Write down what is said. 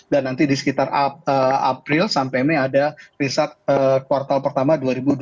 dan nanti di sekitar april sampai mei ada result kuartal pertama dua ribu dua puluh tiga